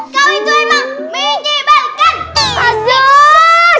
kau itu emang menyeberang kan